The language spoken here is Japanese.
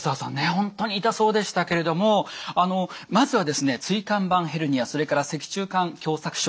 本当に痛そうでしたけれどもまずは椎間板ヘルニアそれから脊柱管狭窄症